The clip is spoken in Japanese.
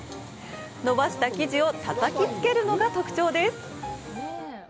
のばした生地をたたきつけるのが特徴です。